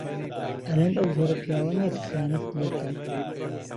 ئەلەند ئەو جۆرە پیاوە نییە کە خیانەتت لێ بکات.